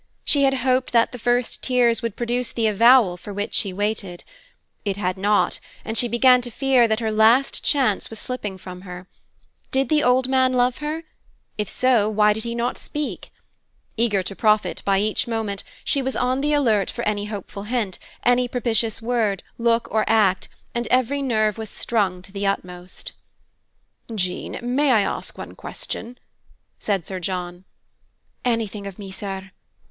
She had hoped that the first tears would produce the avowal for which she waited. It had not, and she began to fear that her last chance was slipping from her. Did the old man love her? If so, why did he not speak? Eager to profit by each moment, she was on the alert for any hopeful hint, any propitious word, look, or act, and every nerve was strung to the utmost. "Jean, may I ask one question?" said Sir John. "Anything of me, sir."